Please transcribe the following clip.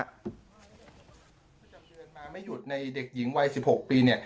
ไม่หยุดในเด็กหญิงวัย๑๖ปี